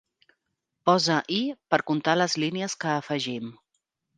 Posa "i" per contar les línies que afegim.